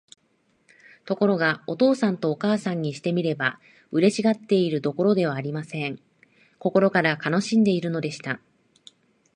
ところが、お父さんとお母さんにしてみれば、嬉しがっているどころではありません。心から悲しんでいるのでした。